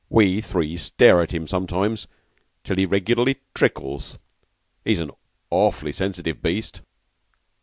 We three stare at him sometimes till he regularly trickles. He's an awfully sensitive beast."